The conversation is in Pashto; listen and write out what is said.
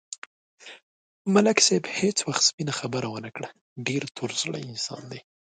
ملک صاحب هېڅ وخت سپینه خبره و نه کړه، ډېر تور زړی انسان دی.